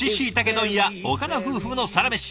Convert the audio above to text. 問屋岡田夫婦のサラメシ。